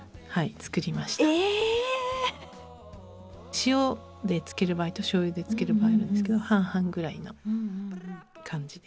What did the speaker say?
塩で漬ける場合と醤油で漬ける場合あるんですけど半々ぐらいな感じで。